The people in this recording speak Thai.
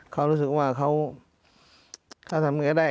เขารู้สึกว่าเขาทำยังไงได้